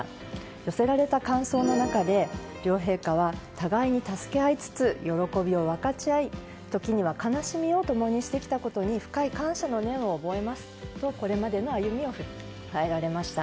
寄せられた感想の中で、両陛下は互いに助け合いつつ喜びを分かち合い時には悲しみを共にしてきたことに深い感謝の念を覚えますとこれまでの歩みを振り返られました。